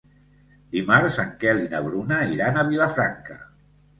Dimarts en Quel i na Bruna iran a Vilafranca.